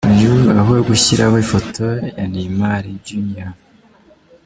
Uyu aho gushyiraho ifoto ya Neymar Jr.